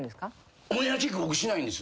オンエアチェック僕しないんです。